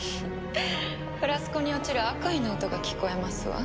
フラスコに落ちる悪意の音が聞こえますわ。